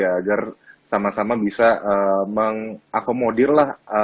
agar sama sama bisa mengakomodirlah